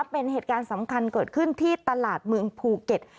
เป็นเหตุการณ์สำคัญเกิดขึ้นที่ตลาดเมืองภูเก็ต